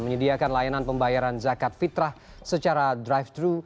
menyediakan layanan pembayaran zakat fitrah secara drive thru